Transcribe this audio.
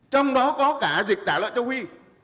trong đó có cả dịch tả lợi cho huy